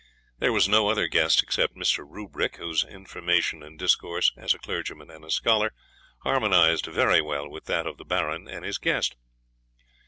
There was no other guest except Mr. Rubrick, whose information and discourse, as a clergyman and a scholar, harmonised very well with that of the Baron and his guest.